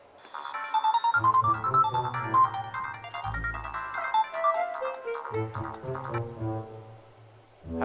pek yang demikian